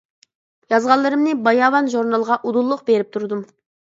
يازغانلىرىمنى «باياۋان» ژۇرنىلىغا ئۇدۇللۇق بېرىپ تۇردۇم.